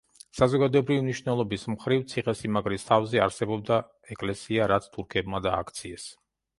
საზოგადოებრივი მნიშვნელობის მხრივ, ციხე-სიმაგრის თავზე არსებობდა ეკლესია, რაც თურქებმა დააქციეს.